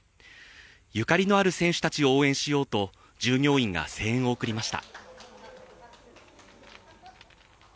ゆかりのある選手たちを応援しようと従業員たちが声援を送りました。